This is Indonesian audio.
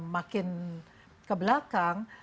makin ke belakang